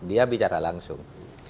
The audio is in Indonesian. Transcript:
dia bicara langsung